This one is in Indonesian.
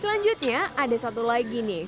selanjutnya ada satu lagi nih